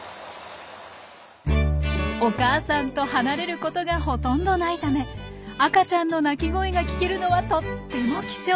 お母さんと離れることがほとんどないため赤ちゃんの鳴き声が聞けるのはとっても貴重！